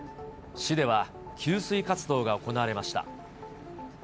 市では、給水活動が行われました。